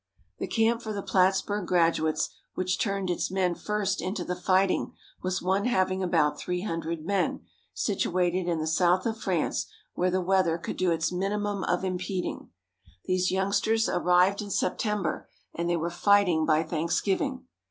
The camp for the Plattsburg graduates which turned its men first into the fighting was one having about 300 men, situated in the south of France, where the weather could do its minimum of impeding. These youngsters arrived in September, and they were fighting by Thanksgiving.